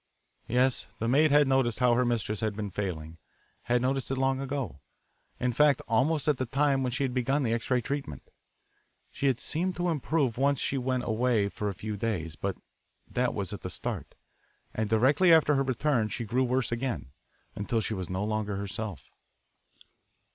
Yes, the maid had noticed how her mistress had been failing, had noticed it long ago, in fact almost at the time when she had begun the X ray treatment. She had seemed to improve once when she went away for a few days, but that was at the start, and directly after her return she grew worse again, until she was no longer herself.